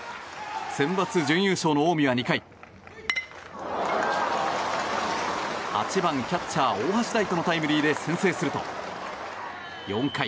センバツ準優勝の近江は２回８番キャッチャー大橋大翔のタイムリーで先制すると、４回。